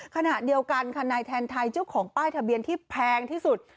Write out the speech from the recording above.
ขณะเดียวกันค่ะนายแทนไทยเจ้าของป้ายทะเบียนที่แพงที่สุด